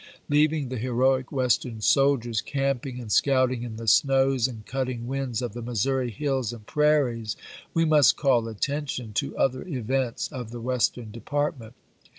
Leaving the heroic Western soldiers camping and 94 ABKAHAM LINCOLN Chap. V. scouting in the snows and cutting winds of the Missoiu'i hills and prairies, we must call attention to other events of the Western Department.